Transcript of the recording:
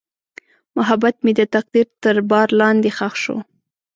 محبت مې د تقدیر تر بار لاندې ښخ شو.